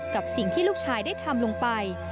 กับสิ่งที่ลูกชายได้ทำลงไป